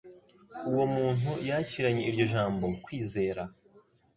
Uwo muntu yakiranye iryo jambo kwizera.